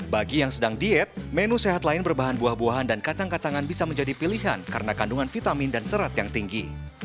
bagi yang sedang diet menu sehat lain berbahan buah buahan dan kacang kacangan bisa menjadi pilihan karena kandungan vitamin dan serat yang tinggi